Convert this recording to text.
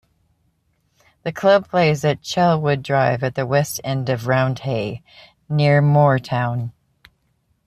The club plays at Chelwood Drive at the west end of Roundhay, near Moortown.